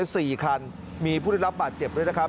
สี่คันมีผู้ได้รับบาดเจ็บด้วยนะครับ